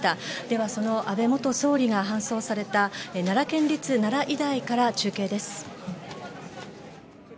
ではその安倍元総理が搬送された奈良県立奈良医大から中継です。